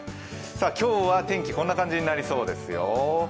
今日は天気こんな感じになりそうですよ。